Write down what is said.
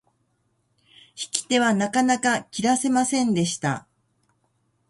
引き手はなかなか切らせませんでした。